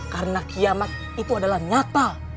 karena kiamat itu adalah nyata